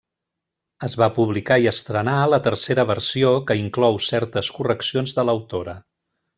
Es va publicar i estrenar la tercera versió, que inclou certes correccions de l'autora.